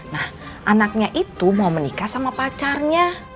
nah anaknya itu mau menikah sama pacarnya